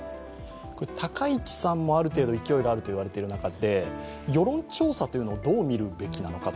高市さんもある程度勢いがあるとみられている中で、世論調査というのをどう見るべきなのかと。